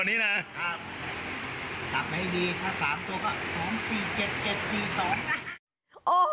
วันนี้นะครับจับให้ดีถ้าสามตัวก็สองสี่เจ็ดเจ็ดสี่สอง